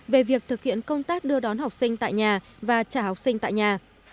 về việc thực hiện công tác đưa đón học sinh tại nhà và trả học sinh tại nhà